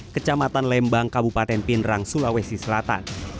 kecamatan lembang kabupaten pinerang sulawesi selatan